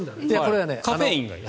カフェインがいい。